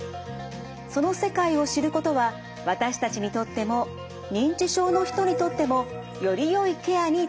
その世界を知ることは私たちにとっても認知症の人にとってもよりよいケアにつながるといいます。